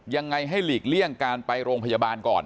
ยังไงให้หลีกเลี่ยงการไปโรงพยาบาลก่อน